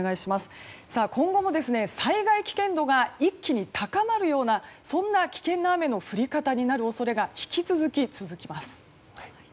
今後も災害危険度が一気に高まるような危険な雨の降り方になる恐れが引き続き続きます。